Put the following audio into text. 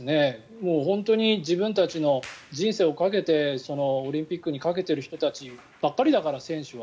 本当に自分たちの人生をかけてオリンピックにかけている人たちばっかりだから選手は。